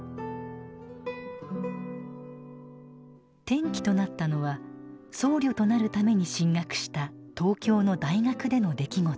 転機となったのは僧侶となるために進学した東京の大学での出来事。